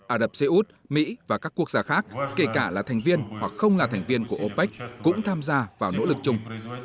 ả rập xê út mỹ và các quốc gia khác kể cả là thành viên hoặc không là thành viên của opec cũng tham gia vào nỗ lực chung